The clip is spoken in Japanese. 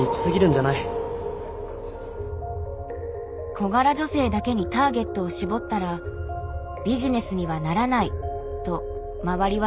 小柄女性だけにターゲットを絞ったら「ビジネスにはならない」と周りは大反対。